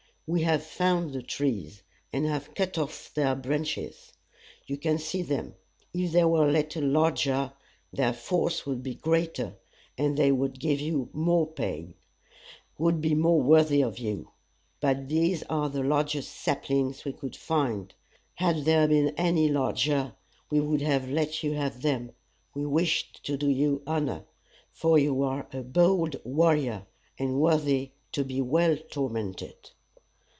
We have found the trees, and have cut off their branches. You can see them. If they were a little larger their force would be greater, and they would give you more pain would be more worthy of you; but these are the largest saplings we could find. Had there been any larger, we would have let you have them. We wish to do you honor, for you are a bold warrior, and worthy to be well tormented.